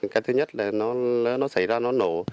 cái thứ nhất là nó xảy ra nó nổ